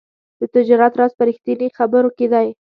د تجارت راز په رښتیني خبرو کې دی.